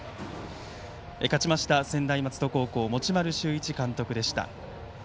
勝ちました専大松戸高校持丸修一監督でした。